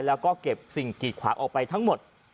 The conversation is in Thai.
แล้วก็เก็บสิ่งกีดขวางออกไปทั้งหมด